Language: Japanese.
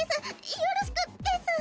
よろしくです